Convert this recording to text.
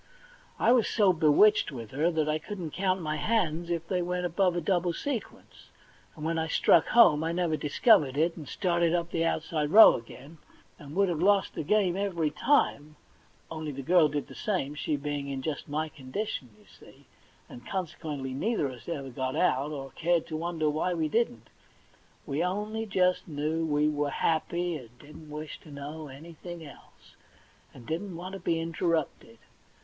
I was so bewitched with her that I couldn't count my hands if they went above a double sequence ; and when I struck home I never discovered it, and started up the outside row again, and would have lost the game every 26 THE £1,000,000 BANK NOTE time, only the girl did the same, she being in just my condition, yon see ; and consequently neither of us ever got out, or cared to wonder why we didn't; we only just knew we were happy, and didn't wish to know anything else, and didn't want to be interrupted.